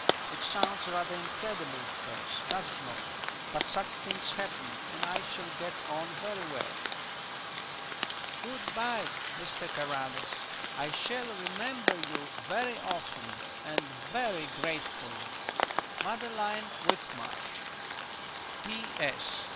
It sounds rather incredible at first, does it not, but such things happen, and I shall get on very well. "Good bye, Mr Carrados; I shall remember you very often and very gratefully. "MADELINE WHITMARSH. "_P.S.